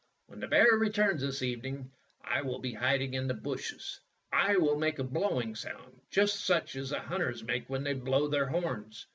Wlien the bear returns this evening I will be hiding in the bushes. I will make a blowing sound just such as the hunters make when they blow their horns.